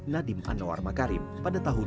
nadiem anwar makarim pada tahun dua ribu dua puluh satu